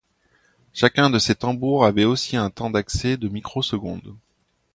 Chacun de ces tambours avait aussi un temps d'accès de microsecondes.